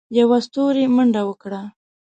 يوه ستوري منډه وکړه.